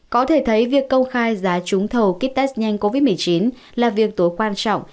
có thể thấy việc công khai giá trúng thầu kít test nhanh covid một mươi chín là viên tố quan trọng